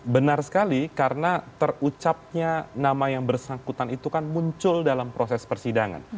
benar sekali karena terucapnya nama yang bersangkutan itu kan muncul dalam proses persidangan